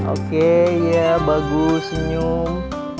oke ya bagus senyum